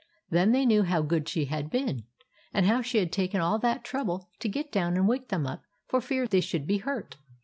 Then they knew how good she had been, and how she had taken all that trouble to get down and wake them up for fear they should be hurt.